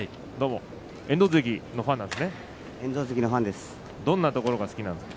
遠藤関のファンなんですね。